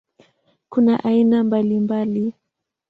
Kuna aina mbalimbali.